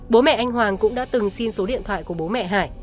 bố mẹ anh hoàng cũng đã từng xin số điện thoại của bố mẹ hải